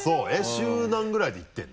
週何ぐらいで行ってるの？